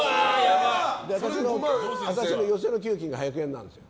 私の寄席の給金が１００円なんですよ。